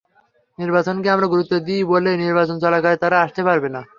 নির্বাচনকে আমরা গুরুত্ব দিই বলেই নির্বাচন চলাকালীন তারা আসতে পারবে না।